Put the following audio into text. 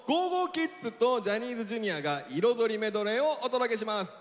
ｋｉｄｓとジャニーズＪｒ．が彩りメドレーをお届けします。